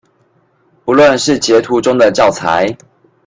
無論是截圖中的教材